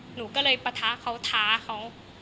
หนูก็เลยปะทะเขาท้าเขา